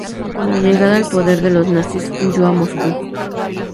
Con la llegada al poder de los nazis huyó a Moscú.